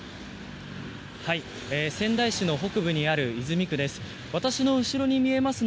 仙台市の北部にある泉区です。